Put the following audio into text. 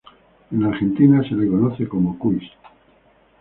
En Argentina se lo conoce como cuis.